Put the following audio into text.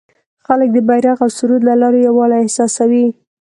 خلک د بیرغ او سرود له لارې یووالی احساسوي.